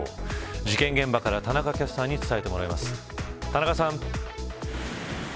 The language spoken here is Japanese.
事件現場から田中キャスターに伝えてもらいます。